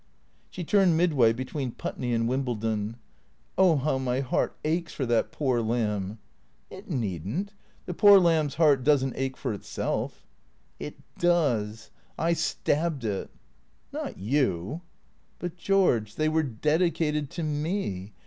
She turned midway between Putney and Wimbledon. " Oh, how my heart aches for that poor lamb." " It need n't. The poor lamb's heart does n't ache for itself." " It does. I stabbed it." " Not you !"" But, George — they were dedicated to me.